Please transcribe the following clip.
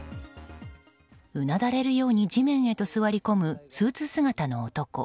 うなだれるように地面へと座り込むスーツ姿の男。